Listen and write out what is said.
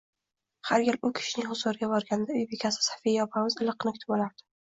Har gal u kishining huzuriga borganda uy bekasi Sofiya opamiz iliqqina kutib olardi